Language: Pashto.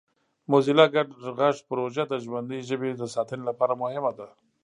موزیلا ګډ غږ پروژه د ژوندۍ ژبې د ساتنې لپاره مهمه ده.